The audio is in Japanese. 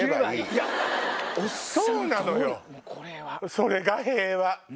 それが平和。